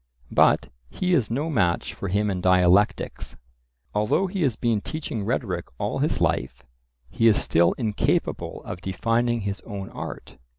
But he is no match for him in dialectics. Although he has been teaching rhetoric all his life, he is still incapable of defining his own art.